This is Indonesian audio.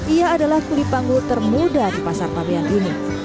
ia adalah kulipanggul termuda di pasar pabean ini